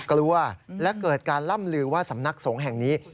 กลัวและเกิดการล่ำลือว่าสำนักสงฆ์แห่งนี้